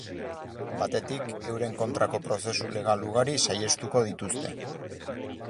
Batetik, euren kontrako prozesu legal ugari saihestuko dituzte.